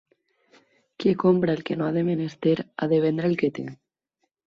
Qui compra el que no ha de menester ha de vendre el que té.